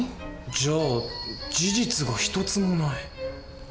じゃあ事実が一つもない。